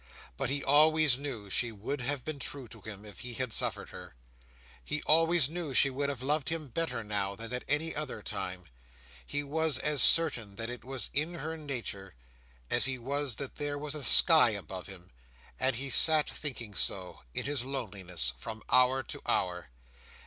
But he always knew she would have been true to him, if he had suffered her. He always knew she would have loved him better now, than at any other time; he was as certain that it was in her nature, as he was that there was a sky above him; and he sat thinking so, in his loneliness, from hour to hour.